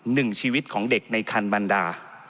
หนึ่งชีวิตของเด็กในคันบรรดา